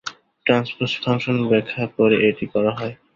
Transpose function ব্যবহার করে এটি করা হয়।